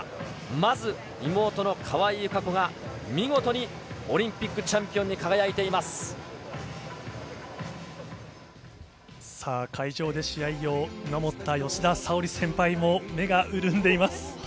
まず妹の川井友香子が見事にオリンピックチャンピオンに輝いていさあ、会場で試合を見守った吉田沙保里先輩も目が潤んでいます。